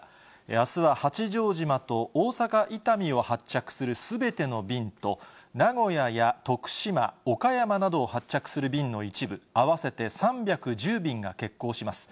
あすは八丈島と大阪・伊丹を発着するすべての便と、名古屋や徳島、岡山などを発着する便の一部、合わせて３１０便が欠航します。